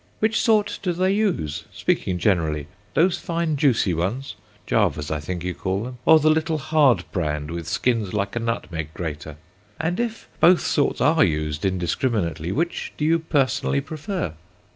Which sort do they use, speaking generally, those fine juicy ones—Javas I think you call them—or the little hard brand with skins like a nutmeg grater? And if both sorts are used indiscriminately, which do you personally prefer?"